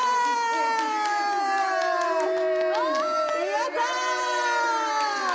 やったー！